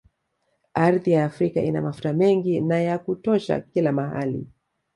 Ardhi ya Afrika ina mafuta mengi na ya kutosha kila mahali